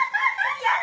やだ。